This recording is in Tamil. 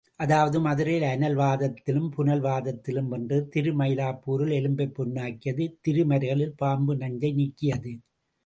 அதாவது மதுரையில் அனல் வாதத்திலும் புனல் வாதத்திலும் வென்றது திருமயிலாப்பூரில் எலும்பைப் பெண்ணாக்கியது திருமருகலில் பாம்பு நஞ்சை நீக்கியது.